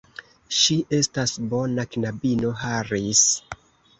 Ŝi estas bona knabino, Harris.